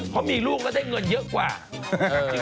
พอมีลูกก็ได้เงินเยอะกว่า